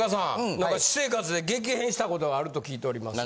なんか私生活で激変したことがあると聞いておりますが？